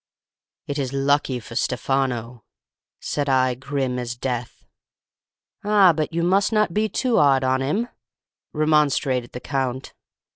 "'It is lucky for Stefano,' said I, grim as death. "'Ah, but you must not be too 'ard on 'im,' remonstrated the Count.